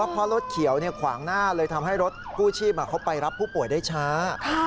เพราะรถเขียวขวางหน้าเลยทำให้รถกู้ชีพเขาไปรับผู้ป่วยได้ช้า